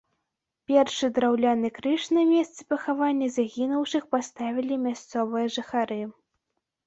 Першы драўляны крыж на месцы пахавання загінуўшых паставілі мясцовыя жыхары.